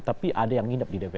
tapi ada yang nginep di dpr